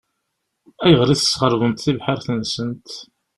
Ayɣer i tesxeṛbemt tibḥirt-nsent?